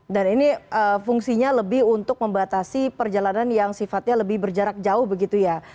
dan ini fungsinya lebih untuk membatasi perjalanan yang sifatnya lebih berjarak jauh begitu ya